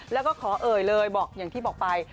แล้วก็ขอเอ่ยเลยบอกอย่างที่บอกไป